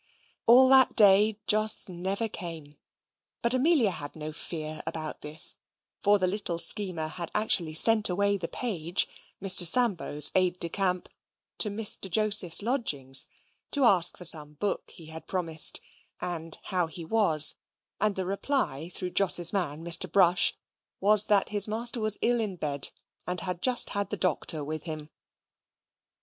All that day Jos never came. But Amelia had no fear about this; for the little schemer had actually sent away the page, Mr. Sambo's aide de camp, to Mr. Joseph's lodgings, to ask for some book he had promised, and how he was; and the reply through Jos's man, Mr. Brush, was, that his master was ill in bed, and had just had the doctor with him.